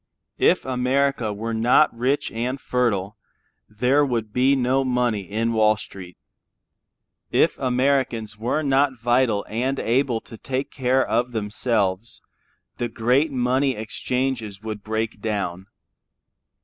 If America were not rich and fertile, there would be no money in Wall Street. If Americans were not vital and able to take care of themselves, the great money exchanges would break down.